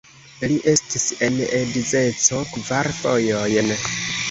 Li estis en edzeco kvar fojojn.